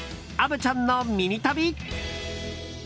虻ちゃんのミニ旅。